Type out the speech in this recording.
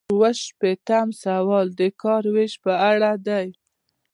اووه شپیتم سوال د کار ویش په اړه دی.